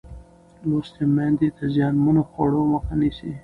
لوستې میندې د زیانمنو خوړو مخه نیسي.